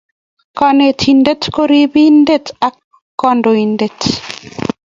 Kanetindet ko ribindet ak kandoinatet